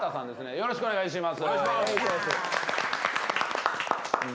よろしくお願いします。